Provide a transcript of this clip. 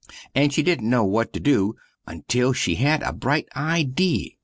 And she dident no what to do until she had a brite idee.